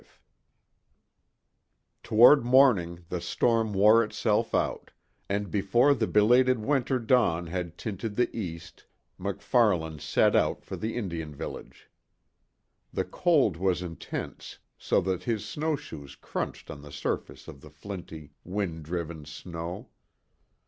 V Toward morning the storm wore itself out, and before the belated winter dawn had tinted the east MacFarlane set out for the Indian village. The cold was intense so that his snowshoes crunched on the surface of the flinty, wind driven snow.